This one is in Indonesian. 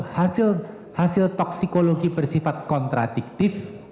ada hasil hasil toxicology bersifat kontradiktif